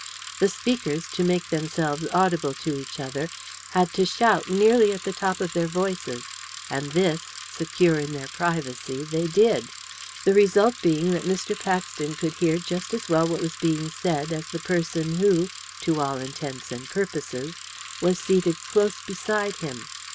The speakers, to make themselves audible to each other, had to shout nearly at the top of their voices, and this, secure in their privacy, they did, the result being that Mr. Paxton could hear just as well what was being said as the person who, to all intents and purposes, was seated close beside him.